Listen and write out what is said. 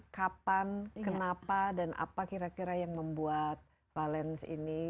kapan kenapa dan apa kira kira yang membuat violence ini